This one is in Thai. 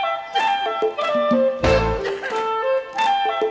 มาเจอ